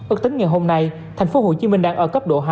ước tính ngày hôm nay tp hcm đang ở cấp độ hai